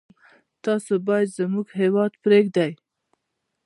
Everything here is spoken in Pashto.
تاسي باید زموږ هیواد پرېږدی.